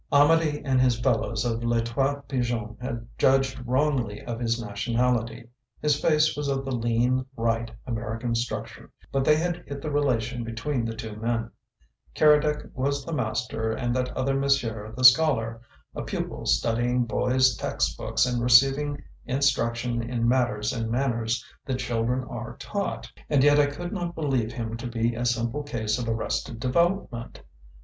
Amedee and his fellows of Les Trois Pigeons had judged wrongly of his nationality; his face was of the lean, right, American structure; but they had hit the relation between the two men: Keredec was the master and "that other monsieur" the scholar a pupil studying boys' textbooks and receiving instruction in matters and manners that children are taught. And yet I could not believe him to be a simple case of arrested development.